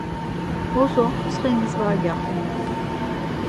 Bozo ntsxenis var gyaxunu.